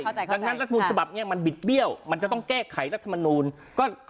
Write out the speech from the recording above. ดังนั้นรัฐบุญรัฐธรรมสภาพเนี่ยมันบิดเบี้ยวมันจะต้องแก้ไขรัฐธรรมุน